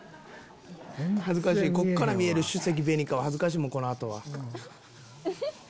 ここから見える「朱赤紅火」は恥ずかしいもんこの後は。